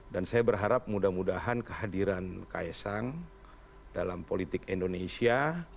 dan saya berharap mudah mudahan kehadiran kaisang dalam politik indonesia